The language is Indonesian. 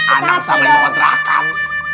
anak sama yang mau terakan